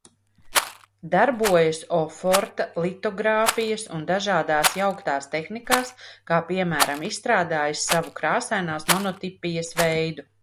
Darbojas oforta, litogrāfijas un dažādās jauktās tehnikās kā, piemēram, izstrādājis savu krāsainās monotipijas veidu.